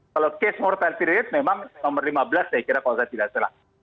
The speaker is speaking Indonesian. kalau case mortality rate memang nomor lima belas saya kira kalau saya tidak salah